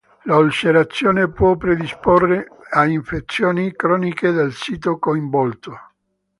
L'ulcerazione può predisporre a infezioni croniche del sito coinvolto.